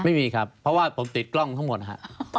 ไม่มีครับเพราะว่าผมติดกล้องทั้งหมดนะครับ